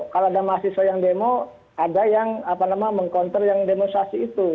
kalau ada mahasiswa yang demo ada yang meng counter yang demonstrasi itu